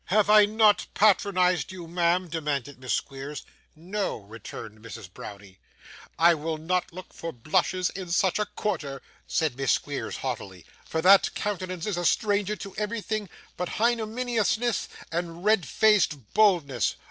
'Have I not patronised you, ma'am?' demanded Miss Squeers. 'No,' returned Mrs. Browdie. 'I will not look for blushes in such a quarter,' said Miss Squeers, haughtily, 'for that countenance is a stranger to everything but hignominiousness and red faced boldness.